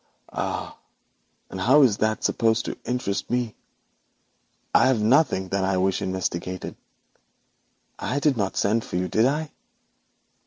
'Ah! And how is that supposed to interest me? There is nothing that I wish investigated. I did not send for you, did I?'